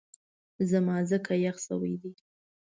زما ځکه یخ شوی دی